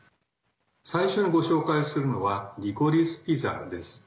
最初にご紹介するのは「リコリス・ピザ」です。